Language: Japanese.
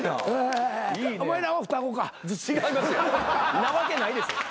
んなわけないでしょ。